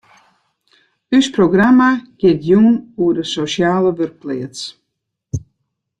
Us programma giet jûn oer de sosjale wurkpleats.